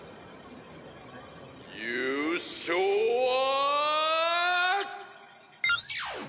優勝は！？